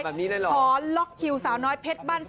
ขอล็อกคิวสาวน้อยเพชรบ้านแพง